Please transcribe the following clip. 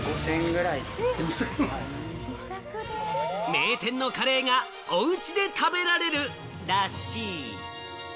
名店のカレーがおうちで食べられるらしい。